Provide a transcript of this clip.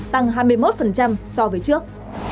tăng hai mươi một so với trước